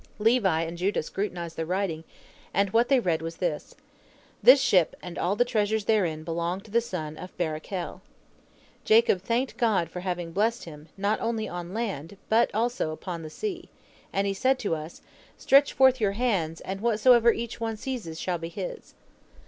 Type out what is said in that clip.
Levi and Judah scrutinized the writing, and what they read was this, 'This ship and all the treasures therein belong unto the son of Barachel.' Jacob thanked God for having blessed him, not only on land, but also upon the sea, and he said to us, 'Stretch forth your hands, and whatsoever each one seizes shall be his!'